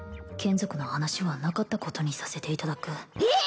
眷属の話はなかったことにさせていただく